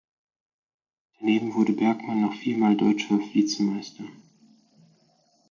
Daneben wurde Bergmann noch viermal deutscher Vizemeister.